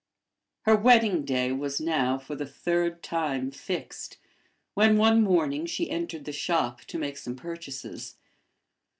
Her wedding day was now for the third time fixed, when one morning she entered the shop to make some purchases.